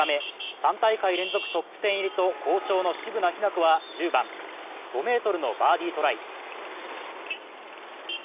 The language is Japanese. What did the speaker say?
３大会連続トップ１０入りと好調の渋野日向子は１０番、５ｍのバーディートライ。